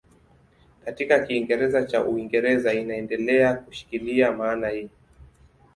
Katika Kiingereza cha Uingereza inaendelea kushikilia maana hii.